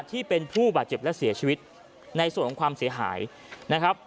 ที่เป็นผู้บาดเจ็บและเสียชีวิตในส่วนของความเสียหายนะครับ